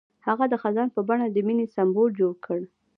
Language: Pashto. هغه د خزان په بڼه د مینې سمبول جوړ کړ.